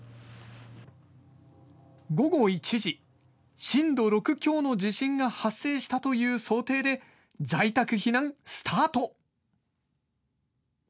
午後１時、震度６強の地震が発生したという想定で在宅避難スタート。